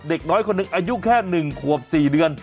เด็กน้อยคนหนึ่งอายุแค่๑ขวบ๔เดือน